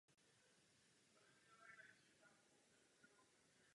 Stal se členem štábu a později vojenským zmocněncem celé organizace.